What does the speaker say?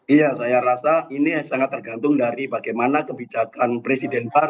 iya saya rasa ini sangat tergantung dari bagaimana kebijakan presiden baru